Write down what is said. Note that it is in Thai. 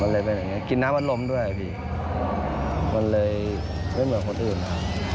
เล่นเหมือนคนอื่นนะ